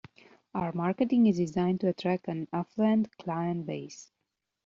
Our marketing is designed to attract an affluent client base.